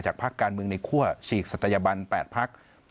จากภาคการเมืองในขั้วฉีกสัตยบัน๘ภาค